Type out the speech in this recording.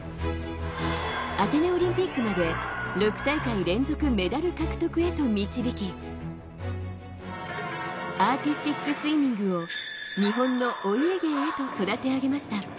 アテネオリンピックまで６大会連続メダル獲得へと導き、アーティスティックスイミングを日本のお家芸へと育て上げました。